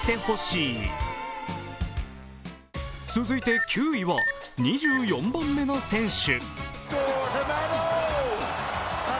続いて９位は２４番目の選手。